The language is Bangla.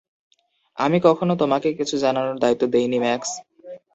আমি কখনো তোমাকে কিছু জানানোর দায়িত্ব দেইনি, ম্যাক্স।